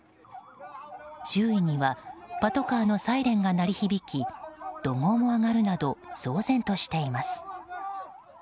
周囲にはパトカーのサイレンが鳴り響き怒号も上がるなど騒然としています。